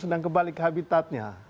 sedang kebalik habitatnya